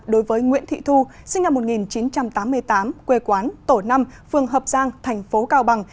đối với nguyễn thị thu sinh năm một nghìn chín trăm tám mươi tám quê quán tổ năm phường hợp giang thành phố cao bằng